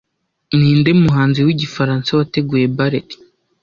Ninde muhanzi wigifaransa wateguye ballet